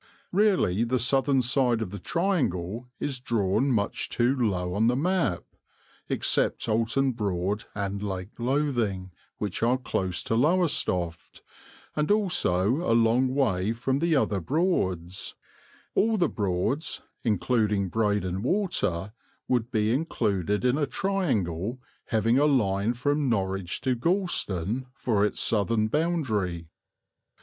Really the southern side of the triangle is drawn much too low on the map. Except Oulton Broad and Lake Lothing, which are close to Lowestoft, and also a long way from the other Broads, all the Broads, including Breydon Water, would be included in a triangle having a line from Norwich to Gorleston for its southern boundary.